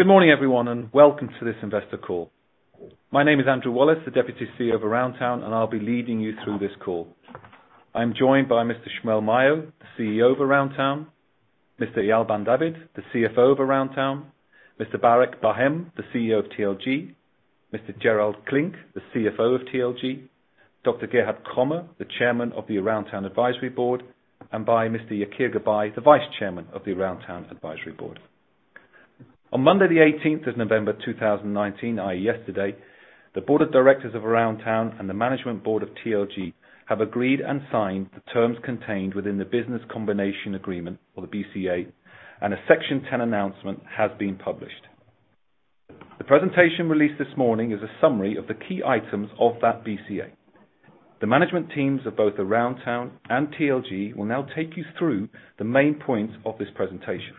Good morning, everyone, and welcome to this investor call. My name is Andrew Wallis, the Deputy CEO of Aroundtown, and I will be leading you through this call. I am joined by Mr. Shmuel Mayo, the CEO of Aroundtown. Mr. Eyal Ben David, the CFO of Aroundtown. Mr. Barak Bar-Hen, the CEO of TLG. Mr. Gerald Klinck, the CFO of TLG. Dr. Gerhard Cromme, the Chairman of the Aroundtown Advisory Board, and by Mr. Yakir Gabay, the Vice Chairman of the Aroundtown Advisory Board. On Monday, the 18th of November, 2019, i.e., yesterday, the Board of Directors of Aroundtown and the Management Board of TLG have agreed and signed the terms contained within the business combination agreement or the BCA, and a Section 10 announcement has been published. The presentation released this morning is a summary of the key items of that BCA. The management teams of both Aroundtown and TLG will now take you through the main points of this presentation.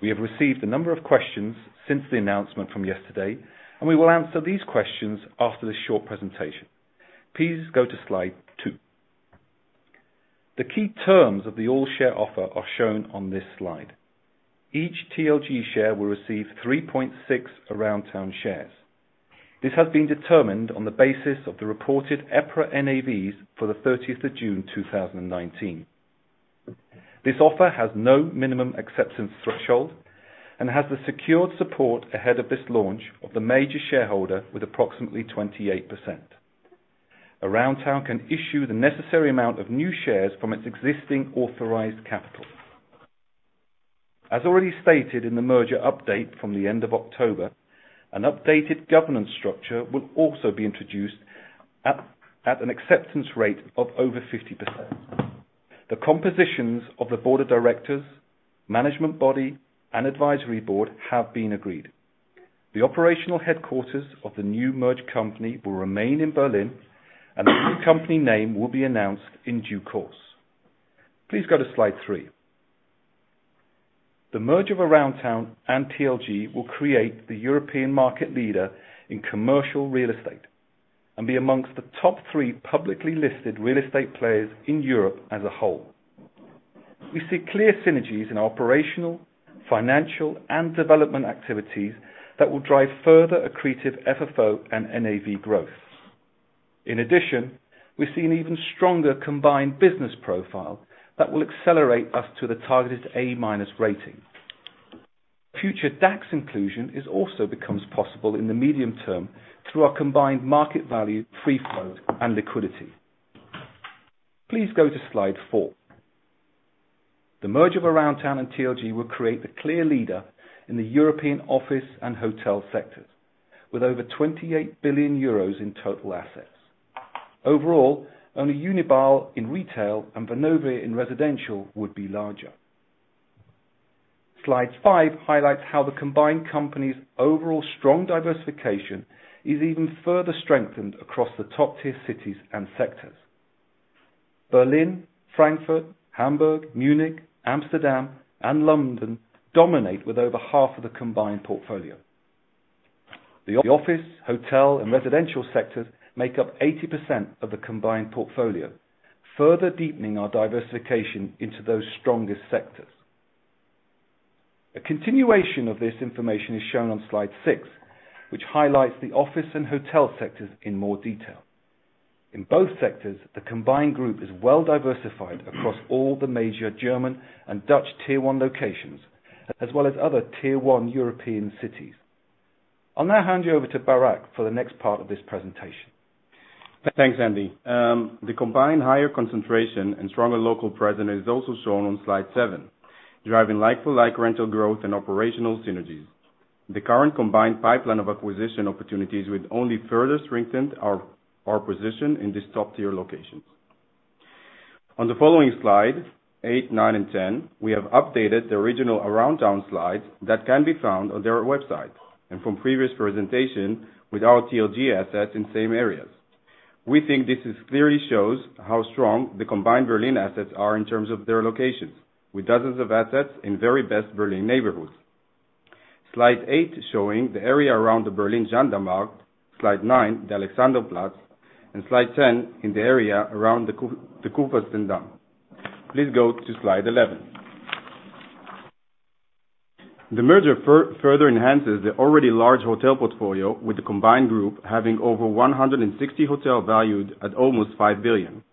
We have received a number of questions since the announcement from yesterday, and we will answer these questions after this short presentation. Please go to slide two. The key terms of the all share offer are shown on this slide. Each TLG share will receive 3.6 Aroundtown shares. This has been determined on the basis of the reported EPRA NAVs for the 30th of June, 2019. This offer has no minimum acceptance threshold and has the secured support ahead of this launch of the major shareholder with approximately 28%. Aroundtown can issue the necessary amount of new shares from its existing authorized capital. As already stated in the merger update from the end of October, an updated governance structure will also be introduced at an acceptance rate of over 50%. The compositions of the Board of Directors, management body, and advisory board have been agreed. The operational headquarters of the new merged company will remain in Berlin, and the new company name will be announced in due course. Please go to slide three. The merger of Aroundtown and TLG will create the European market leader in commercial real estate and be amongst the top 3 publicly listed real estate players in Europe as a whole. We see clear synergies in operational, financial, and development activities that will drive further accretive FFO and NAV growth. In addition, we see an even stronger combined business profile that will accelerate us to the targeted A-minus rating. Future DAX inclusion is also becomes possible in the medium term through our combined market value, free float, and liquidity. Please go to slide four. The merger of Aroundtown and TLG will create the clear leader in the European office and hotel sectors with over 28 billion euros in total assets. Overall, only Unibail in retail and Vonovia in residential would be larger. Slide five highlights how the combined company's overall strong diversification is even further strengthened across the top tier cities and sectors. Berlin, Frankfurt, Hamburg, Munich, Amsterdam, and London dominate with over half of the combined portfolio. The office, hotel, and residential sectors make up 80% of the combined portfolio, further deepening our diversification into those strongest sectors. A continuation of this information is shown on slide six, which highlights the office and hotel sectors in more detail. In both sectors, the combined group is well-diversified across all the major German and Dutch tier 1 locations, as well as other tier 1 European cities. I'll now hand you over to Barak for the next part of this presentation. Thanks, Andy. The combined higher concentration and stronger local presence is also shown on slide seven, driving like-for-like rental growth and operational synergies. The current combined pipeline of acquisition opportunities will only further strengthen our position in these top tier locations. On the following slide, eight, nine, and ten, we have updated the original Aroundtown slides that can be found on their website and from previous presentation with our TLG assets in same areas. We think this clearly shows how strong the combined Berlin assets are in terms of their locations with dozens of assets in very best Berlin neighborhoods. Slide eight showing the area around the Berlin Gendarmenmarkt. Slide nine, the Alexanderplatz. And slide ten in the area around the Kurfürstendamm. Please go to slide 11. The merger further enhances the already large hotel portfolio with the combined group having over 160 hotels valued at almost 5 billion.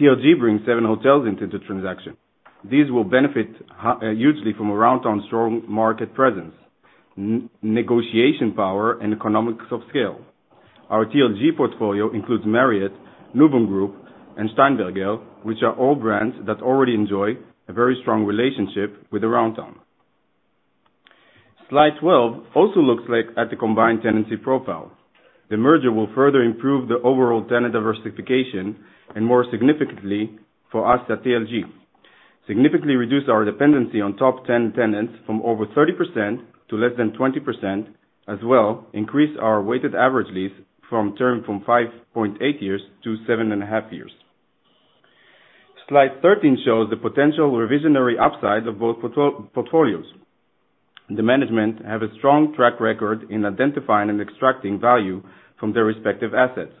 TLG brings seven hotels into the transaction. These will benefit hugely from Aroundtown's strong market presence, negotiation power, and economies of scale. Our TLG portfolio includes Marriott, Louvre Hotels Group, and Steigenberger, which are all brands that already enjoy a very strong relationship with Aroundtown. Slide 12 also looks at the combined tenancy profile. The merger will further improve the overall tenant diversification and more significantly for us at TLG. Significantly reduce our dependency on top 10 tenants from over 30% to less than 20%, as well increase our weighted average lease from term from 5.8 years to seven and a half years. Slide 13 shows the potential revisionary upside of both portfolios. The management have a strong track record in identifying and extracting value from their respective assets.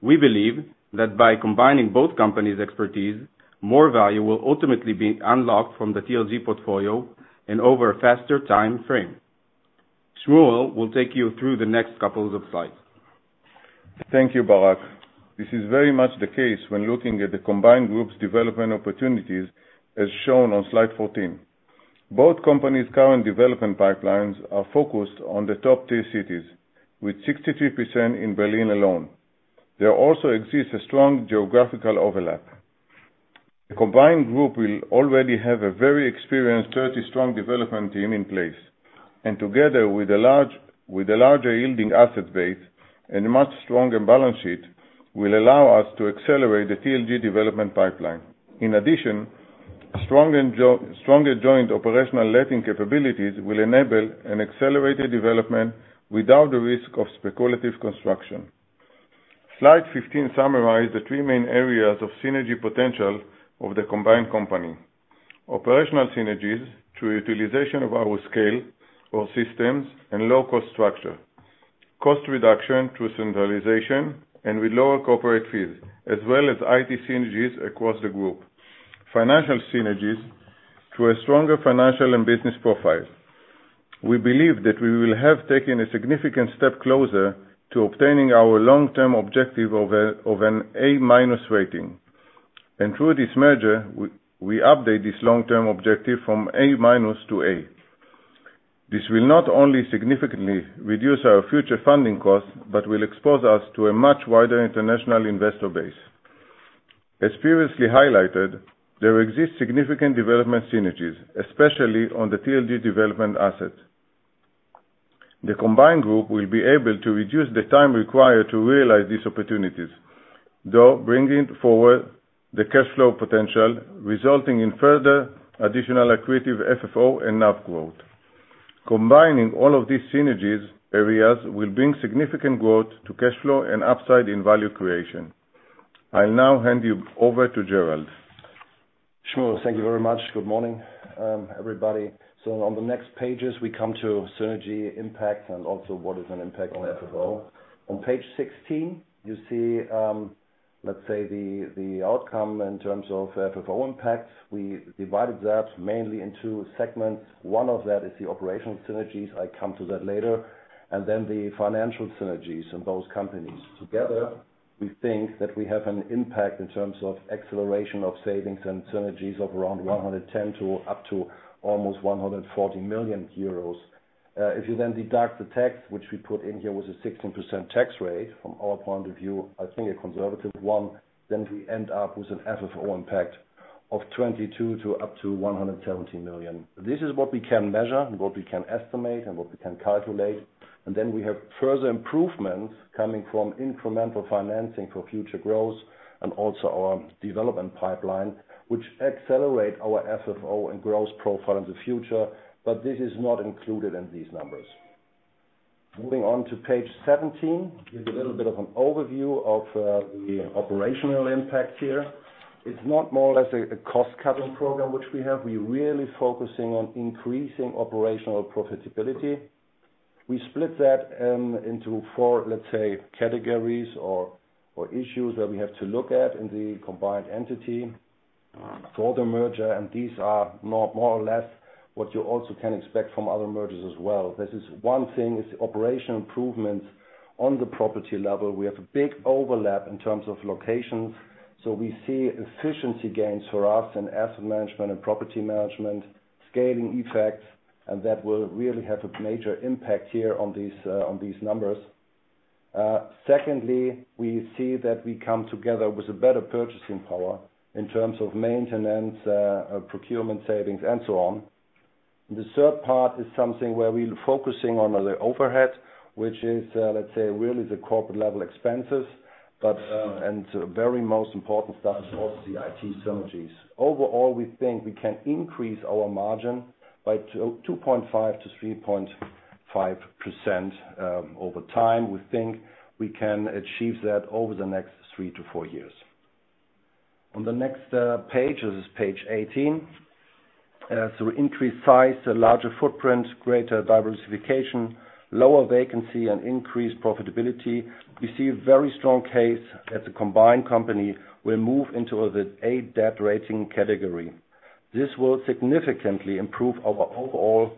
We believe that by combining both companies' expertise, more value will ultimately be unlocked from the TLG portfolio and over a faster time frame. Shmuel will take you through the next couples of slides. Thank you, Barak. This is very much the case when looking at the combined group's development opportunities, as shown on slide 14. Both companies' current development pipelines are focused on the top tier cities, with 63% in Berlin alone. There also exists a strong geographical overlap. The combined group will already have a very experienced, 30-strong development team in place, and together with the larger yielding asset base and a much stronger balance sheet, will allow us to accelerate the TLG development pipeline. In addition, stronger joint operational letting capabilities will enable an accelerated development without the risk of speculative construction. Slide 15 summarizes the three main areas of synergy potential of the combined company. Operational synergies through utilization of our scale or systems and low-cost structure. Cost reduction through centralization and with lower corporate fees, as well as IT synergies across the group. Financial synergies through a stronger financial and business profile. We believe that we will have taken a significant step closer to obtaining our long-term objective of an A-minus rating. Through this merger, we update this long-term objective from A-minus to A. This will not only significantly reduce our future funding costs but will expose us to a much wider international investor base. As previously highlighted, there exists significant development synergies, especially on the TLG development asset. The combined group will be able to reduce the time required to realize these opportunities, though bringing forward the cash flow potential, resulting in further additional accretive FFO and NAV growth. Combining all of these synergies areas will bring significant growth to cash flow and upside in value creation. I will now hand you over to Gerald. Shmuel, thank you very much. Good morning, everybody. On the next pages, we come to synergy impact and also what is an impact on FFO. On page 16, you see, let's say, the outcome in terms of FFO impact. We divided that mainly in two segments. One of that is the operational synergies. I come to that later. The financial synergies of those companies. Together, we think that we have an impact in terms of acceleration of savings and synergies of around 110 million to up to almost 140 million euros. If you deduct the tax, which we put in here was a 16% tax rate, from our point of view, I think a conservative one, we end up with an FFO impact of 22 million up to 170 million. This is what we can measure and what we can estimate and what we can calculate. We have further improvements coming from incremental financing for future growth and also our development pipeline, which accelerate our FFO and growth profile in the future. This is not included in these numbers. Moving on to page 17, give a little bit of an overview of the operational impact here. It's not more or less a cost-cutting program which we have. We are really focusing on increasing operational profitability. We split that into four, let's say, categories or issues that we have to look at in the combined entity for the merger, and these are more or less what you also can expect from other mergers as well. This is one thing, is the operational improvements on the property level. We have a big overlap in terms of locations. We see efficiency gains for us in asset management and property management, scaling effects, and that will really have a major impact here on these numbers. Secondly, we see that we come together with a better purchasing power in terms of maintenance, procurement savings, and so on. The third part is something where we are focusing on the overhead, which is, let's say, really the corporate level expenses, and very most important stuff is also the IT synergies. Overall, we think we can increase our margin by 2.5%-3.5% over time. We think we can achieve that over the next 3-4 years. On the next page, this is page 18. Through increased size, a larger footprint, greater diversification, lower vacancy, and increased profitability, we see a very strong case that the combined company will move into the A debt rating category. This will significantly improve our overall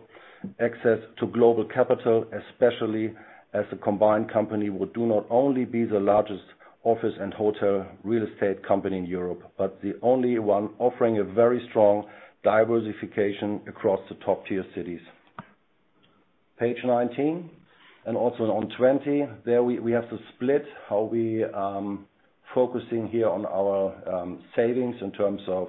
access to global capital, especially as a combined company, will not only be the largest office and hotel real estate company in Europe, but the only one offering a very strong diversification across the top-tier cities. Page 19, and also on 20, there we have to split how we are focusing here on our savings in terms of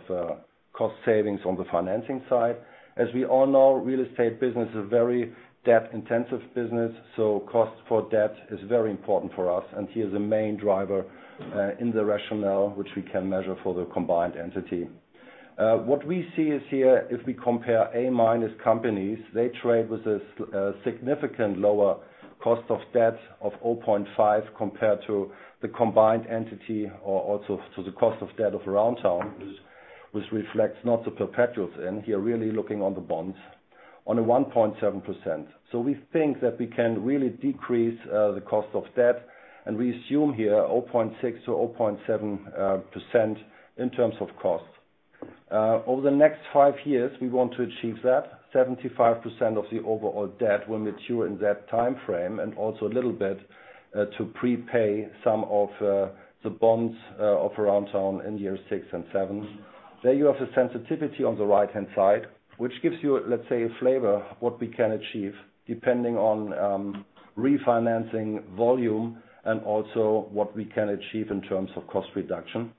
cost savings on the financing side. As we all know, real estate business is very debt-intensive business, so cost for debt is very important for us and here is the main driver in the rationale which we can measure for the combined entity. What we see is here, if we compare A-minus companies, they trade with a significant lower cost of debt of 0.5% compared to the combined entity or also to the cost of debt of Aroundtown, which reflects not the perpetuals and here really looking on the bonds, on a 1.7%. We think that we can really decrease the cost of debt, and we assume here 0.6%-0.7% in terms of cost. Over the next five years, we want to achieve that. 75% of the overall debt will mature in that timeframe, and also a little bit to prepay some of the bonds of Aroundtown in year six and seven. There you have a sensitivity on the right-hand side, which gives you, let's say, a flavor what we can achieve depending on refinancing volume and also what we can achieve in terms of cost reduction.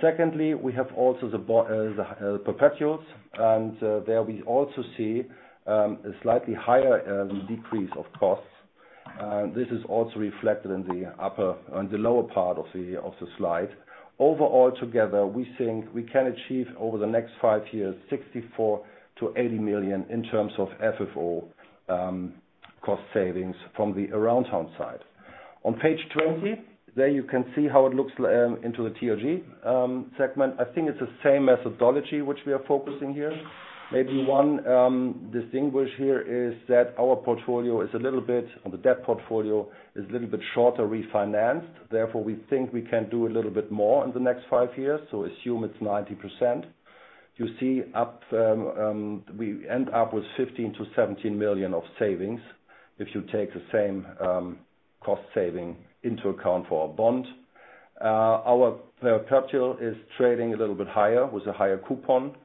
Secondly, we have also the perpetuals, and there we also see a slightly higher decrease of costs. This is also reflected in the lower part of the slide. Overall together, we think we can achieve over the next five years, 64 million-80 million in terms of FFO cost savings from the Aroundtown side. On page 20, there you can see how it looks into the TLG segment. I think it's the same methodology which we are focusing here. Maybe one distinction here is that our portfolio is a little bit, on the debt portfolio, is a little bit shorter refinanced. Therefore, we think we can do a little bit more in the next five years, so assume it's 90%. You see, we end up with 15 million-17 million of savings, if you take the same cost saving into account for our bond. Our perpetual is trading a little bit higher with a higher coupon.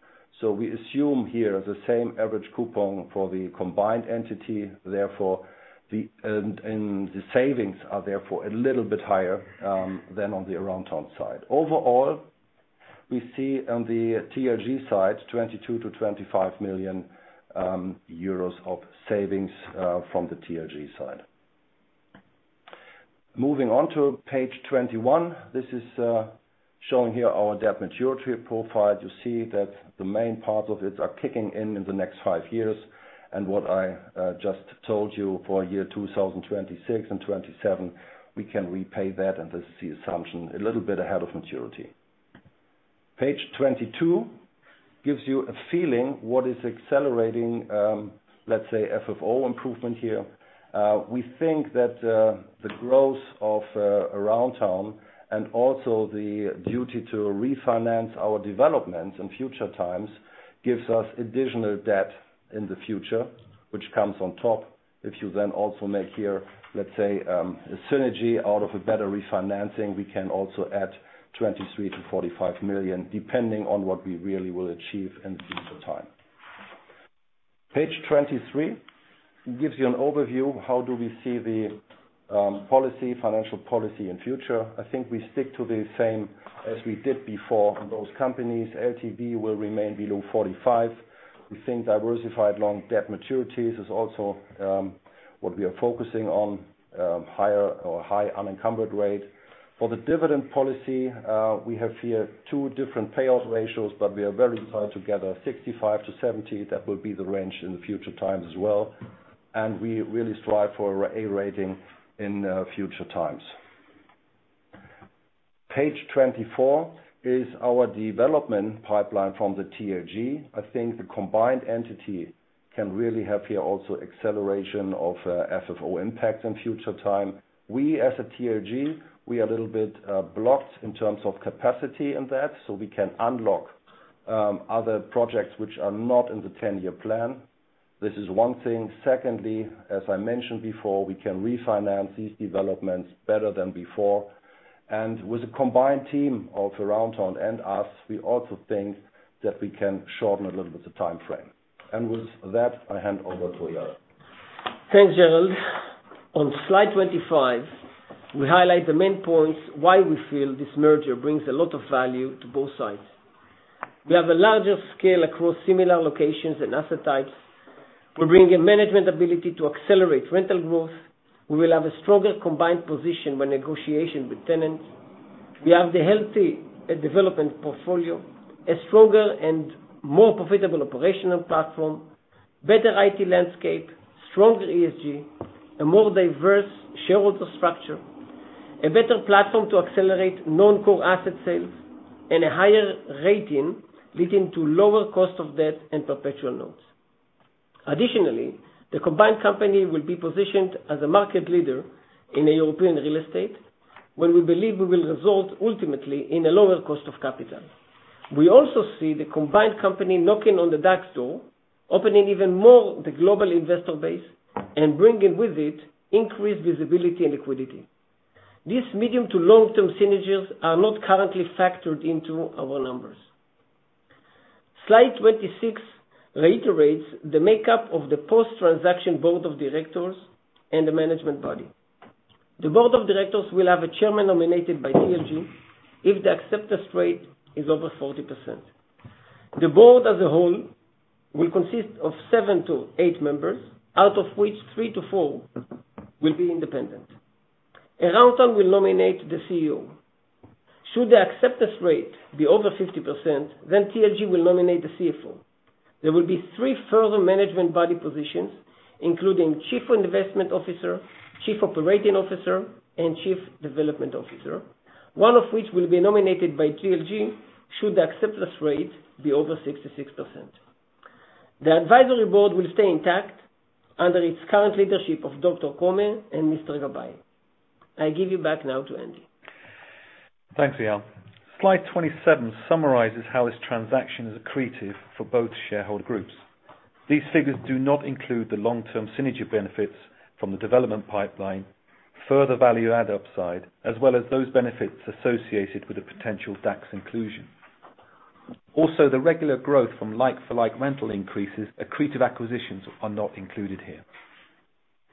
We assume here the same average coupon for the combined entity, and the savings are therefore a little bit higher than on the Aroundtown side. Overall, we see on the TLG side, 22 million-25 million euros of savings from the TLG side. Moving on to page 21. This is showing here our debt maturity profile. You see that the main parts of it are kicking in in the next five years. What I just told you for year 2026 and 2027, we can repay that, and this is the assumption, a little bit ahead of maturity. Page 22 gives you a feeling what is accelerating, let's say, FFO improvement here. We think that the growth of Aroundtown and also the duty to refinance our developments in future times gives us additional debt in the future, which comes on top. If you also make here, let's say, a synergy out of a better refinancing, we can also add 23 million-45 million, depending on what we really will achieve in future time. Page 23 gives you an overview, how do we see the financial policy in future? I think we stick to the same as we did before on those companies. LTV will remain below 45%. We think diversified long debt maturities is also what we are focusing on, high unencumbered rate. For the dividend policy, we have here two different payout ratios, but we are very tight together, 65%-70%. That will be the range in the future times as well. We really strive for A rating in future times. Page 24 is our development pipeline from the TLG. I think the combined entity can really have here also acceleration of FFO impact in future time. We as a TLG, we are a little bit blocked in terms of capacity in that, so we can unlock other projects which are not in the 10-year plan. This is one thing. Secondly, as I mentioned before, we can refinance these developments better than before. With a combined team of Aroundtown and us, we also think that we can shorten a little bit the timeframe. With that, I hand over to Eyal. Thanks, Gerald. On slide 25, we highlight the main points why we feel this merger brings a lot of value to both sides. We have a larger scale across similar locations and asset types. We're bringing management ability to accelerate rental growth. We will have a stronger combined position when negotiation with tenants. We have the healthy development portfolio, a stronger and more profitable operational platform, better IT landscape, stronger ESG, a more diverse shareholder structure, a better platform to accelerate non-core asset sales, and a higher rating leading to lower cost of debt and perpetual notes. Additionally, the combined company will be positioned as a market leader in the European real estate, where we believe we will result ultimately in a lower cost of capital. We also see the combined company knocking on the DAX door, opening even more the global investor base and bringing with it increased visibility and liquidity. These medium to long-term synergies are not currently factored into our numbers. Slide 26 reiterates the makeup of the post-transaction board of directors and the management body. The board of directors will have a Chairman nominated by TLG if the acceptance rate is over 40%. The board as a whole will consist of 7 to 8 members, out of which 3 to 4 will be independent. Aroundtown will nominate the CEO. Should the acceptance rate be over 50%, TLG will nominate the CFO. There will be three further management body positions including Chief Investment Officer, Chief Operating Officer, and Chief Development Officer, one of which will be nominated by TLG should the acceptance rate be over 66%. The advisory board will stay intact under its current leadership of Dr. Cromme and Mr. Gabay. I give you back now to Andy. Thanks, Eyal. Slide 27 summarizes how this transaction is accretive for both shareholder groups. These figures do not include the long-term synergy benefits from the development pipeline, further value add upside, as well as those benefits associated with the potential tax inclusion. Also, the regular growth from like-for-like rental increases, accretive acquisitions are not included here.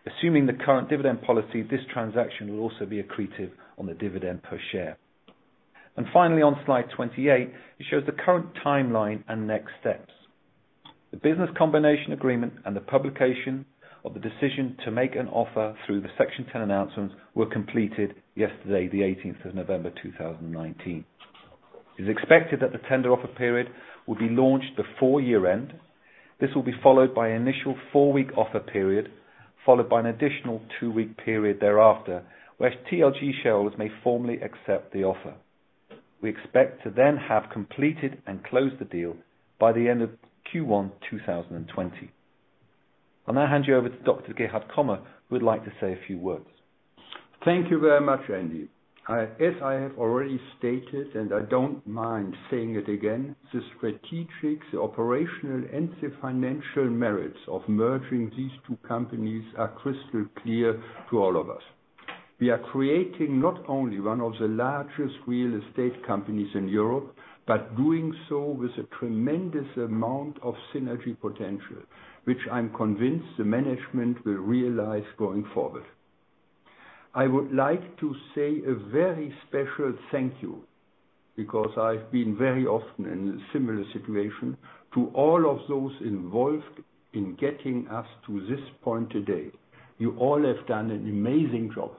Assuming the current dividend policy, this transaction will also be accretive on the dividend per share. Finally, on Slide 28, it shows the current timeline and next steps. The business combination agreement and the publication of the decision to make an offer through the Section 10 announcements were completed yesterday, the 18th of November 2019. It is expected that the tender offer period will be launched before year-end. This will be followed by an initial 4-week offer period, followed by an additional 2-week period thereafter, where TLG shareholders may formally accept the offer. We expect to then have completed and closed the deal by the end of Q1 2020. I'll now hand you over to Dr. Gerhard Cromme, who would like to say a few words. Thank you very much, Andy. As I have already stated, and I don't mind saying it again, the strategic, the operational, and the financial merits of merging these two companies are crystal clear to all of us. We are creating not only one of the largest real estate companies in Europe, but doing so with a tremendous amount of synergy potential, which I'm convinced the management will realize going forward. I would like to say a very special thank you, because I've been very often in a similar situation, to all of those involved in getting us to this point today. You all have done an amazing job.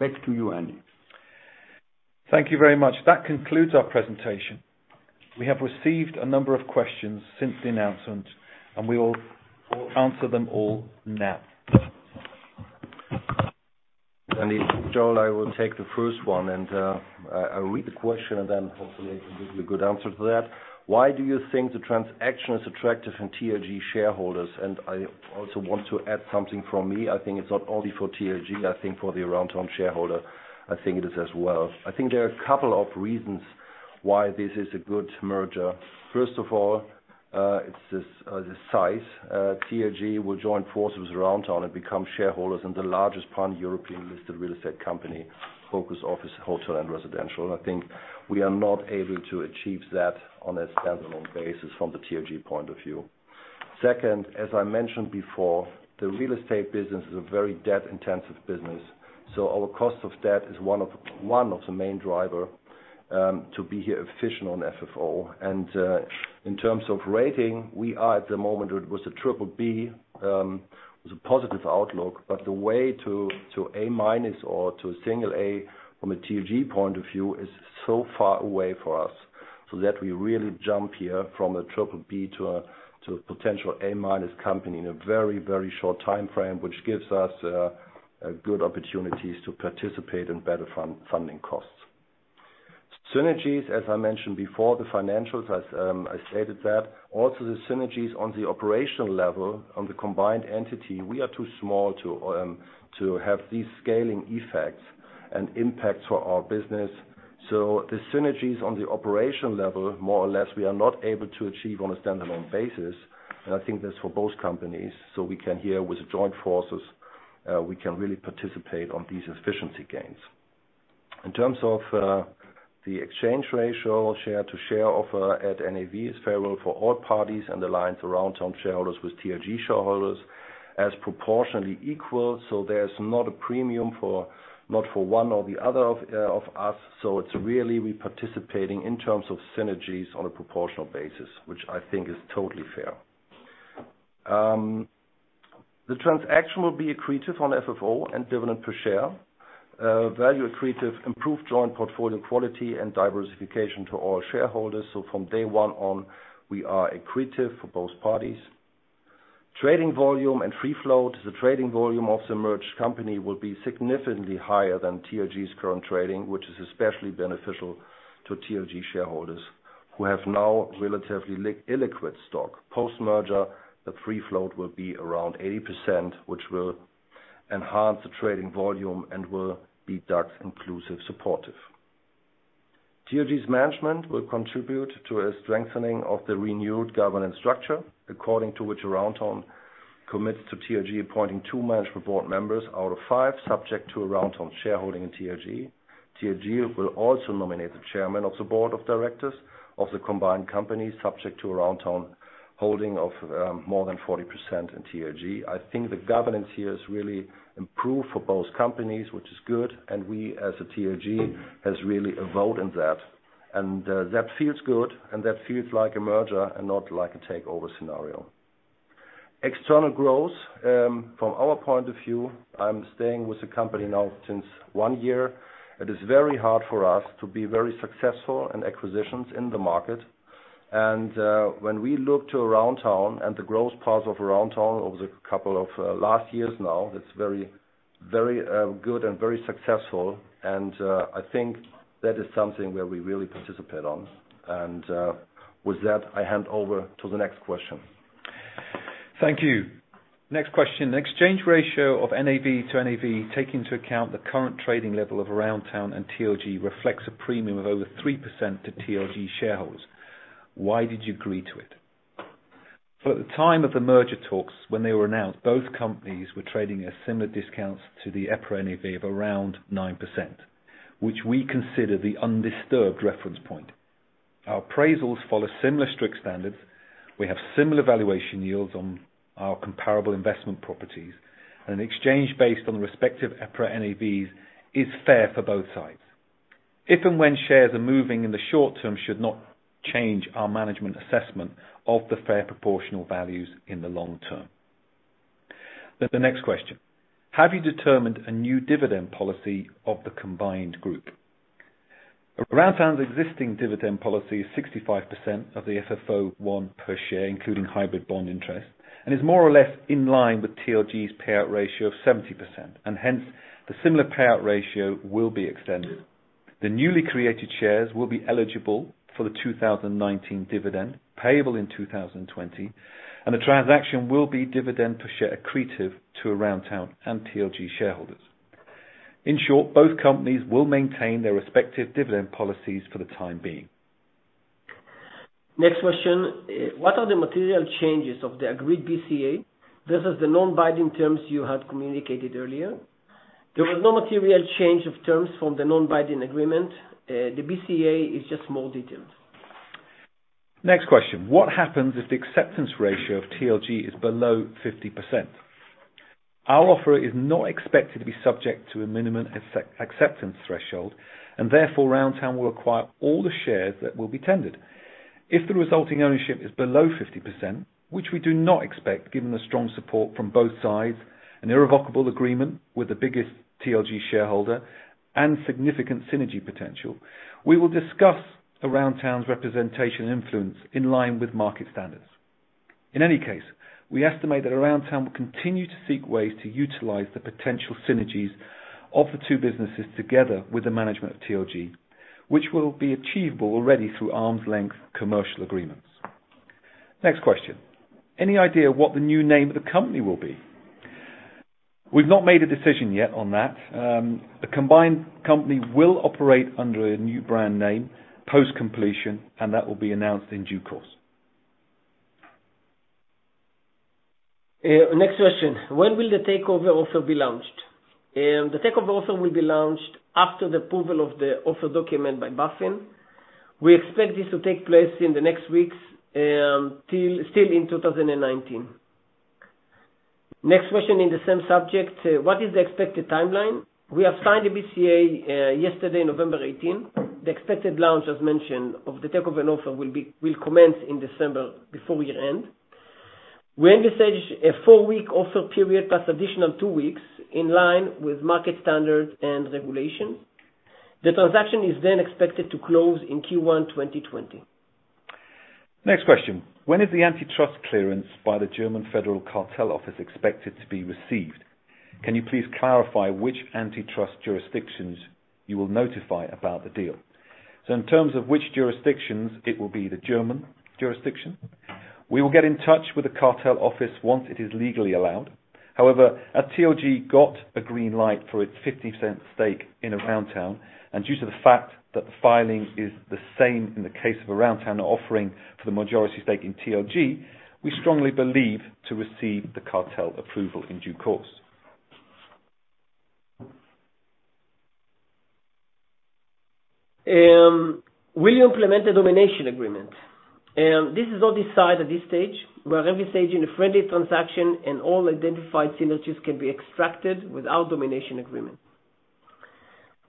Back to you, Andy. Thank you very much. That concludes our presentation. We have received a number of questions since the announcement, we will answer them all now. Andy. Gerald, I will take the first one. I will read the question. Hopefully I can give you a good answer to that. Why do you think the transaction is attractive for TLG shareholders? I also want to add something from me. I think it's not only for TLG, I think for the Aroundtown shareholder, I think it is as well. I think there are a couple of reasons why this is a good merger. First of all, it's the size. TLG will join forces with Aroundtown and become shareholders in the largest pan-European listed real estate company, focused office, hotel, and residential. I think we are not able to achieve that on a standalone basis from the TLG point of view. Second, as I mentioned before, the real estate business is a very debt-intensive business, our cost of debt is one of the main driver to be efficient on FFO. In terms of rating, we are at the moment with a triple B, with a positive outlook, the way to A minus or to a single A from a TLG point of view is so far away for us, that we really jump here from a triple B to a potential A minus company in a very short timeframe, which gives us good opportunities to participate in better funding costs. Synergies, as I mentioned before, the financials, I stated that. Also, the synergies on the operational level on the combined entity, we are too small to have these scaling effects and impact for our business. The synergies on the operation level, more or less, we are not able to achieve on a standalone basis. I think that's for both companies. We can here with the joint forces, we can really participate on these efficiency gains. In terms of the exchange ratio, share to share offer at NAV is favorable for all parties and aligns Aroundtown shareholders with TLG shareholders as proportionally equal. There's not a premium, not for one or the other of us. It's really we participating in terms of synergies on a proportional basis, which I think is totally fair. The transaction will be accretive on FFO and dividend per share. Value accretive, improved joint portfolio quality and diversification to all shareholders. From day one on, we are accretive for both parties. Trading volume and free float. The trading volume of the merged company will be significantly higher than TLG's current trading, which is especially beneficial to TLG shareholders who have now relatively illiquid stock. Post-merger, the free float will be around 80%, which will enhance the trading volume and will be DAX inclusive supportive. TLG's management will contribute to a strengthening of the renewed governance structure, according to which Aroundtown commits to TLG appointing two management board members out of five, subject to Aroundtown shareholding in TLG. TLG will also nominate the chairman of the board of directors of the combined company, subject to Aroundtown holding of more than 40% in TLG. I think the governance here is really improved for both companies, which is good, and we as a TLG has really a vote in that. That feels good, and that feels like a merger and not like a takeover scenario. External growth from our point of view, I'm staying with the company now since one year. It is very hard for us to be very successful in acquisitions in the market. When we look to Aroundtown and the growth path of Aroundtown over the couple of last years now, that's very good and very successful, and I think that is something where we really participate on. With that, I hand over to the next question. Thank you. Next question. The exchange ratio of NAV to NAV, take into account the current trading level of Aroundtown and TLG reflects a premium of over 3% to TLG shareholders. Why did you agree to it? For the time of the merger talks when they were announced, both companies were trading at similar discounts to the EPRA NAV of around 9%, which we consider the undisturbed reference point. Our appraisals follow similar strict standards. We have similar valuation yields on our comparable investment properties, and an exchange based on the respective EPRA NAVs is fair for both sides. If and when shares are moving in the short term should not change our management assessment of the fair proportional values in the long term. The next question. How have you determined a new dividend policy of the combined group? Aroundtown's existing dividend policy is 65% of the FFO one per share, including hybrid bond interest, and is more or less in line with TLG's payout ratio of 70%. Hence, the similar payout ratio will be extended. The newly created shares will be eligible for the 2019 dividend, payable in 2020, and the transaction will be dividend per share accretive to Aroundtown and TLG shareholders. In short, both companies will maintain their respective dividend policies for the time being. Next question. What are the material changes of the agreed BCA versus the non-binding terms you had communicated earlier? There was no material change of terms from the non-binding agreement. The BCA is just more detailed. Next question. What happens if the acceptance ratio of TLG is below 50%? Our offer is not expected to be subject to a minimum acceptance threshold, and therefore, Aroundtown will acquire all the shares that will be tendered. If the resulting ownership is below 50%, which we do not expect given the strong support from both sides, an irrevocable agreement with the biggest TLG shareholder, and significant synergy potential, we will discuss Aroundtown's representation influence in line with market standards. In any case, we estimate that Aroundtown will continue to seek ways to utilize the potential synergies of the two businesses together with the management of TLG, which will be achievable already through arm's length commercial agreements. Next question. Any idea what the new name of the company will be? We've not made a decision yet on that. The combined company will operate under a new brand name post-completion, and that will be announced in due course. Next question. When will the takeover offer be launched? The takeover offer will be launched after the approval of the offer document by BaFin. We expect this to take place in the next weeks, still in 2019. Next question in the same subject. What is the expected timeline? We have signed a BCA yesterday, November 18th. The expected launch, as mentioned, of the takeover offer will commence in December before year end. We envisage a 4-week offer period plus additional 2 weeks in line with market standards and regulations. The transaction is then expected to close in Q1 2020. Next question. When is the antitrust clearance by the German Federal Cartel Office expected to be received? Can you please clarify which antitrust jurisdictions you will notify about the deal? In terms of which jurisdictions, it will be the German jurisdiction. We will get in touch with the Cartel Office once it is legally allowed. However, as TLG got a green light for its 50% stake in Aroundtown, and due to the fact that the filing is the same in the case of Aroundtown offering for the majority stake in TLG, we strongly believe to receive the cartel approval in due course. Will you implement a domination agreement? This is not decided at this stage. We are envisaging a friendly transaction and all identified synergies can be extracted without domination agreement.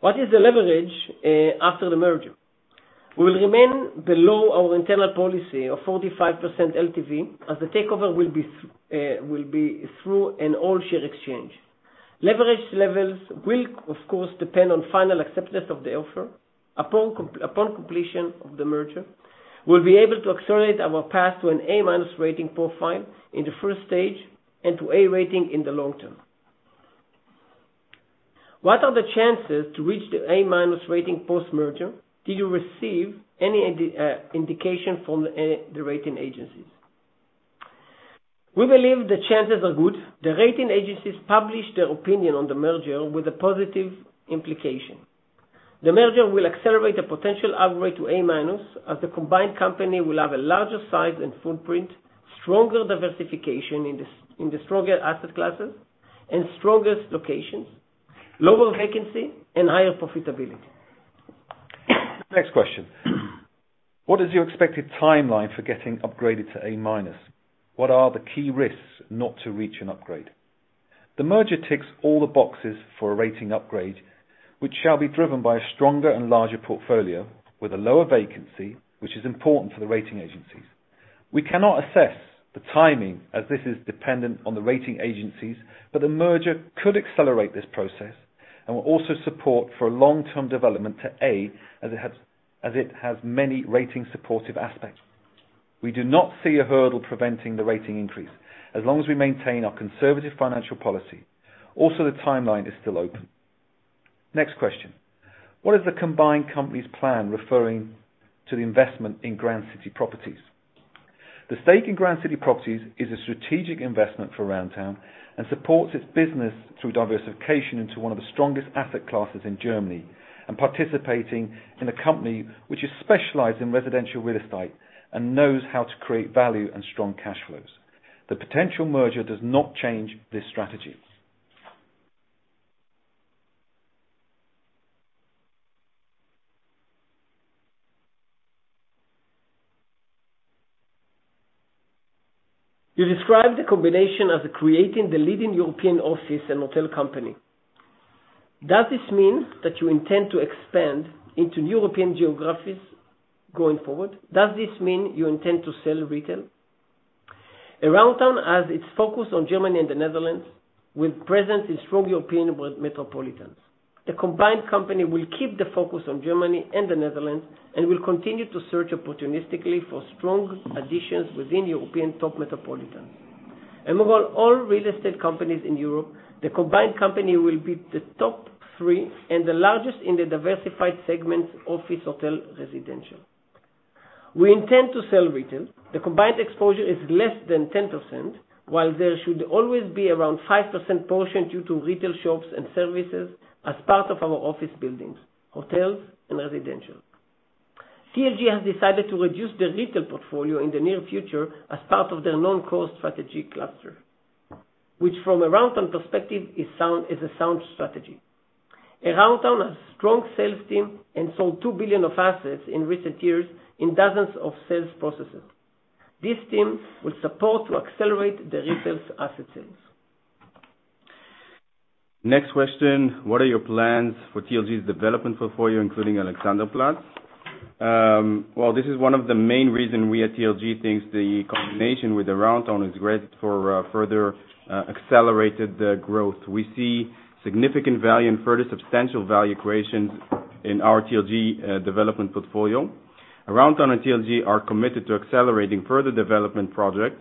What is the leverage after the merger? We will remain below our internal policy of 45% LTV, as the takeover will be through an all-share exchange. Leverage levels will of course depend on final acceptance of the offer. Upon completion of the merger, we will be able to accelerate our path to an A-minus rating profile in the stage 1 and to A rating in the long term. What are the chances to reach the A-minus rating post-merger? Did you receive any indication from the rating agencies? We believe the chances are good. The rating agencies published their opinion on the merger with a positive implication. The merger will accelerate a potential upgrade to A- as the combined company will have a larger size and footprint, stronger diversification in the stronger asset classes, and stronger locations, lower vacancy, and higher profitability. Next question. What is your expected timeline for getting upgraded to A-? What are the key risks not to reach an upgrade? The merger ticks all the boxes for a rating upgrade, which shall be driven by a stronger and larger portfolio with a lower vacancy, which is important for the rating agencies. We cannot assess the timing as this is dependent on the rating agencies, but the merger could accelerate this process and will also support for a long-term development to A, as it has many rating supportive aspects. We do not see a hurdle preventing the rating increase as long as we maintain our conservative financial policy. The timeline is still open. Next question. What is the combined company's plan referring to the investment in Grand City Properties? The stake in Grand City Properties is a strategic investment for Aroundtown and supports its business through diversification into one of the strongest asset classes in Germany, and participating in a company which is specialized in residential real estate and knows how to create value and strong cash flows. The potential merger does not change this strategy. You described the combination of creating the leading European office and hotel company. Does this mean that you intend to expand into new European geographies going forward? Does this mean you intend to sell retail? Aroundtown has its focus on Germany and the Netherlands with presence in strong European metropolitans. The combined company will keep the focus on Germany and the Netherlands and will continue to search opportunistically for strong additions within European top metropolitans. Among all real estate companies in Europe, the combined company will be the top three and the largest in the diversified segment office, hotel, residential. We intend to sell retail. The combined exposure is less than 10%, while there should always be around 5% portion due to retail shops and services as part of our office buildings, hotels and residential. TLG has decided to reduce their retail portfolio in the near future as part of their non-core strategy cluster, which from Aroundtown perspective, is a sound strategy. Aroundtown has strong sales team and sold 2 billion of assets in recent years in dozens of sales processes. This team will support to accelerate the retail asset sales. Next question. What are your plans for TLG's development portfolio, including Alexanderplatz? Well, this is one of the main reason we at TLG thinks the combination with Aroundtown is great for further accelerated growth. We see significant value and further substantial value creations in our TLG development portfolio. Aroundtown and TLG are committed to accelerating further development projects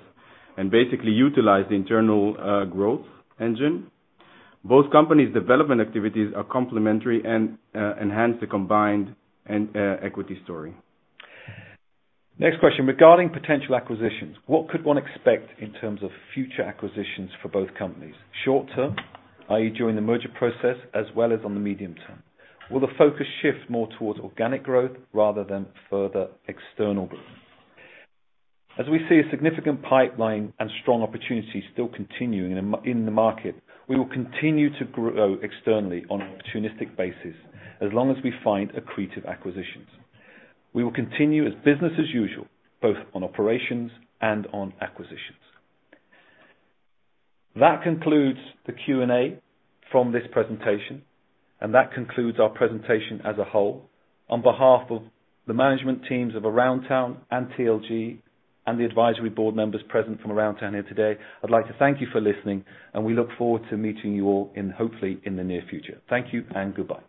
and basically utilize the internal growth engine. Both companies development activities are complementary and enhance the combined equity story. Next question. Regarding potential acquisitions, what could one expect in terms of future acquisitions for both companies short term, i.e., during the merger process as well as on the medium term? Will the focus shift more towards organic growth rather than further external growth? As we see a significant pipeline and strong opportunities still continuing in the market, we will continue to grow externally on an opportunistic basis as long as we find accretive acquisitions. We will continue as business as usual, both on operations and on acquisitions. That concludes the Q&A from this presentation, and that concludes our presentation as a whole. On behalf of the management teams of Aroundtown and TLG and the advisory board members present from Aroundtown here today, I'd like to thank you for listening, and we look forward to meeting you all in, hopefully, in the near future. Thank you and goodbye.